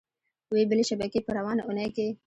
وې بلې شبکې په روانه اونۍ کې